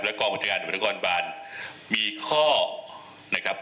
และกองบริเวณการบริเวณกรบาลมีข้อนะครับ